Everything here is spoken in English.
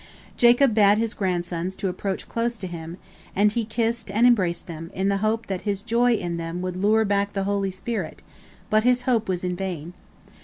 Jacob bade his grandsons approach close to him, and he kissed and embraced them, in the hope that his joy in them would lure back the holy spirit, but his hope was vain.